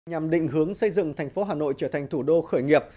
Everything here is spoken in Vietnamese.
nhằm định hướng xây dựng thành phố hà nội trở thành thủ đô khởi nghiệp